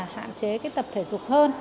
hạn chế tập thể dục hơn